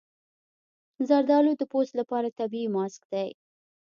زردالو د پوست لپاره طبیعي ماسک دی.